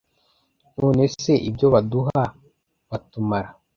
none se ibyo baduha batumara